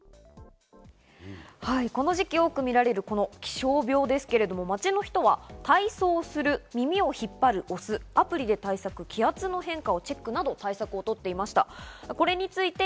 この時期多く見られる気象病ですけれども、街の人は体操する、耳を引っ張る、押す、アプリで対策、気圧の変化をチェックなど、対策を取っていました。